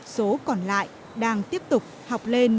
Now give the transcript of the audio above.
số còn lại đang tiếp tục học lên